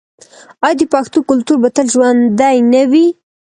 آیا د پښتنو کلتور به تل ژوندی نه وي؟